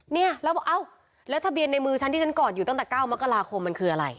เนี่ยแล้วบอกเอ้าแล้วทะเบียนในมือฉันที่ฉันกอดอยู่ตั้งแต่๙มกราคมมันคืออะไร